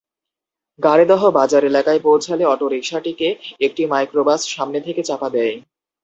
গাড়িদহ বাজার এলাকায় পৌঁছালে অটোরিকশাটিকে একটি মাইক্রোবাস সামনে থেকে চাপা দেয়।